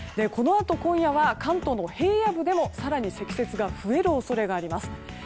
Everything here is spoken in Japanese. このあと、今夜は関東の平野部でも更に積雪が増える恐れがあります。